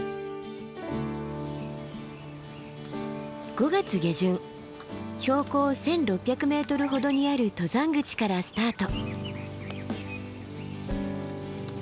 ５月下旬標高１，６００ｍほどにある登山口からスタート。